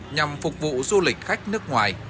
nhằm phục vụ du lịch khách hàng